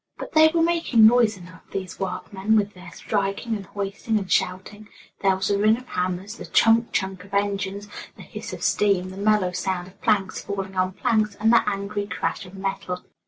But they were making noise enough, these workmen, with their striking and hoisting and shouting. There was the ring of hammers, the chunk chunk of engines, the hiss of steam, the mellow sound of planks falling on planks, and the angry clash of metal.